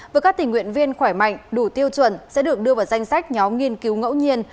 với các tình nguyện viên khỏe mạnh đủ tiêu chuẩn sẽ được đưa vào danh sách nhóm nghiên cứu ngẫu nhiên